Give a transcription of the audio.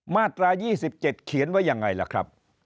มาตรา๒๗เขียนไว้ยังไงล่ะครับ